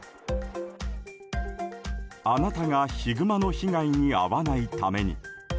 あなたがヒグマの被害に遭わないために。